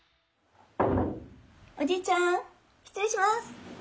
おじいちゃん失礼します。